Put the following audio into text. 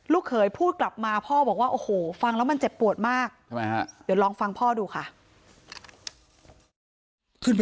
ลูกเขยพูดกลับมาพ่อบอกว่าโอ้โหฟังแล้วมันเจ็บปวดมาก